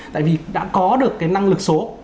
tại vì đã có được cái năng lực số